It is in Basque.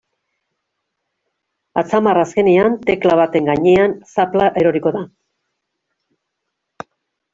Atzamarra azkenean tekla baten gainean zapla eroriko da.